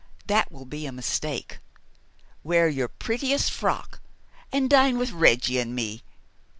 That will be a mistake. Wear your prettiest frock, and dine with Reggie and me.